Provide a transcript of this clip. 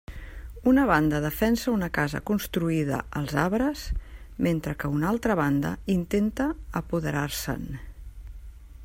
Una banda defensa una casa construïda als arbres mentre que una altra banda intenta apoderar-se'n.